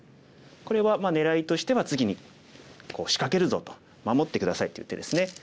これはねらいとしては次に仕掛けるぞと守って下さいという手ですね。